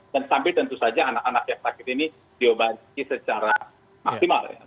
dan sambil tentu saja anak anak yang sakit ini diobati secara maksimal